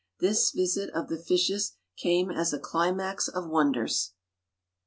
This visit of the fishes came as a climax of wonders.